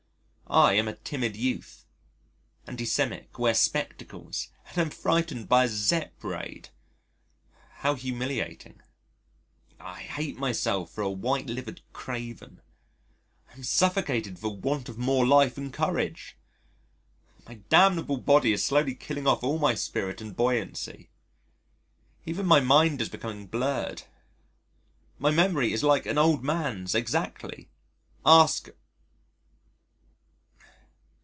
I am a timid youth, anæmic, wear spectacles, and am frightened by a Zep raid! How humiliating. I hate myself for a white livered craven: I am suffocated for want of more life and courage. My damnable body is slowly killing off all my spirit and buoyancy. Even my mind is becoming blurred. My memory is like an old man's exactly. (Ask